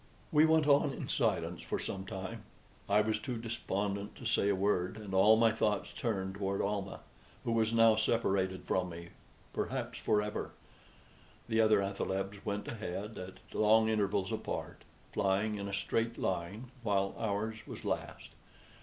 We went on in silence for some time. I was too despondent to say a word, and all my thoughts turned toward Almah, who was now separated from me perhaps forever. The other athalebs went ahead, at long intervals apart, flying in a straight line, while ours was last.